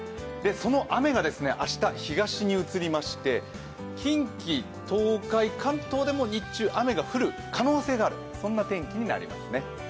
その雨が明日、東に移りまして近畿、東海、関東でも日中、雨が振る可能性ある、そんな天気になりますね。